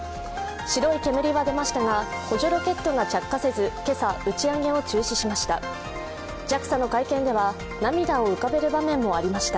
白い煙は出ましたが、補助ロケットが着火せず今朝、打ち上げを中止しました。